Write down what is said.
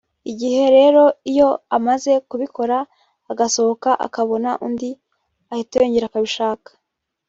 Icyo gihe rero iyo amaze kubikora agasohoka akabona undi ahita yongera akabishaka